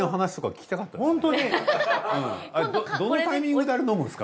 どのタイミングであれ飲むんですか？